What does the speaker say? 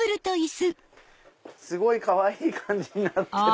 すごいかわいい感じになってる。